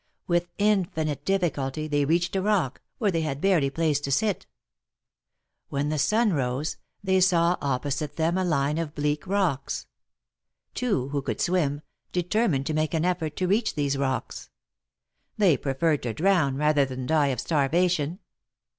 With infinite difficulty they reached a rock, where they had barely place to sit. When the sun rose, they saw opposite them a line of bleak rocks. Two, who could swim, determined to make an effort to reach these rocks. They preferred to drown, rather than die of starvation.